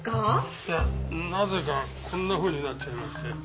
いやなぜかこんなふうになっちゃいまして。